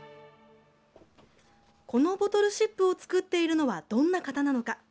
このボトルシップを作っているのは、どんな方なのか。